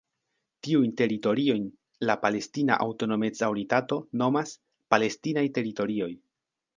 Tiujn teritoriojn la Palestina Aŭtonomec-Aŭtoritato nomas "palestinaj teritorioj".